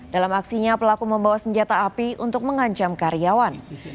dalam aksinya pelaku membawa senjata api untuk mengancam karyawan